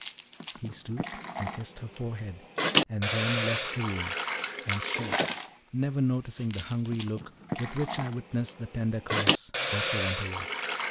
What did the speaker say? He stooped and kissed her forehead, and then left the room; and she, never noticing the hungry look with which I witnessed the tender caress, also went away.